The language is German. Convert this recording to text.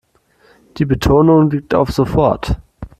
Die Betonung liegt auf sofort.